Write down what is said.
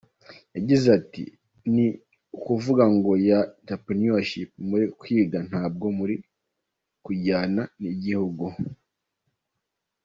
Yagize ati “Ni ukuvuga ngo ya ‘Entrepreneurship’ muri kwiga ntabwo muri kujyana n’igihugu.